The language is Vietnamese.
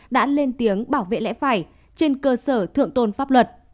đã lên tiếng bảo vệ lẽ phải trên cơ sở thượng tôn pháp luật